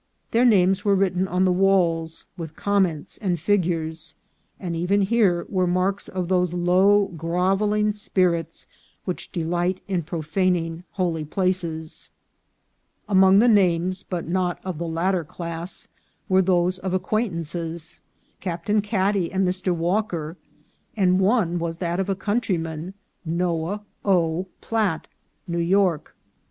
Their names were written on the walls, with comments and figures ; and even here were marks of those low, grovelling spirits which delight in profaning holy places. Among the names, but not of the latter class, were those of acquaintances : Captain Cad dy and Mr. Walker ; and one was that of a countryman, Noah O. Platt, New York.